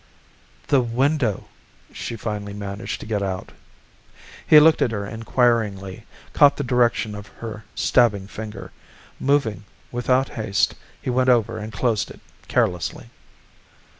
"The window," she finally managed to get out. He looked at her inquiringly, caught the direction of her stabbing finger. Moving without haste, he went over and closed it carelessly.